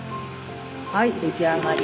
はい出来上がり。